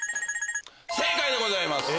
正解でございます。